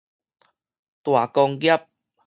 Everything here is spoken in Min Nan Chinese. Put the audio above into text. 大功業